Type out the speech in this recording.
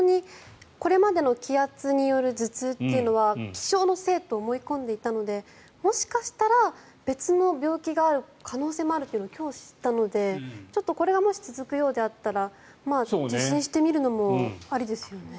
これまでの気圧による頭痛っていうのは気象のせいと思い込んでいたのでもしかしたら別の病気がある可能性もあると今日知ったのでこれがもし続くようだったら受診してみるのもありですよね。